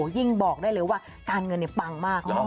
ยิ่งบอกได้เลยว่าการเงินปังมากเลย